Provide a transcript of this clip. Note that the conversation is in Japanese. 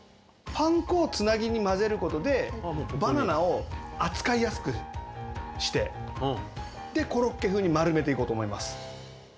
パン粉をつなぎに混ぜることでバナナを扱いやすくしてコロッケ風に丸めていこうと思います。